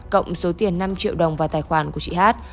cộng số tiền năm triệu đồng vào tài khoản của chị hát